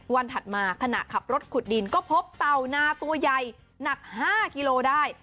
ถัดมาขณะขับรถขุดดินก็พบเต่านาตัวใหญ่หนัก๕กิโลได้